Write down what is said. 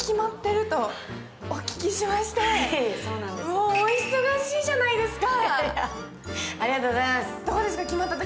もうお忙しいじゃないですか。